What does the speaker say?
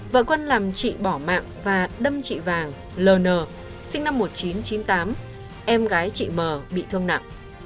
vợ quân làm trị bỏ mạng và đâm trị vàng sinh năm một nghìn chín trăm chín mươi tám em gái trị m bị thương nặng